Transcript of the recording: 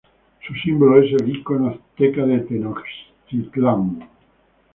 Su Símbolo es el ícono azteca de Tenochtitlán.